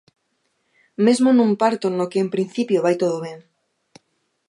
Mesmo nun parto no que, en principio vai todo ben.